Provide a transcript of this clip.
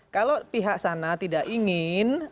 kalau pihak sana tidak ingin